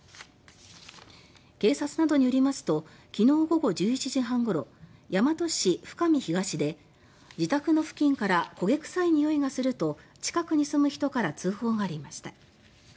警察などによりますと昨日午後１１時半ごろ大和市深見東で自宅の付近から焦げ臭いにおいがすると近くに住む人から通報がありました。